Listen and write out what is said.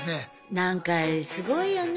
なんかすごいよね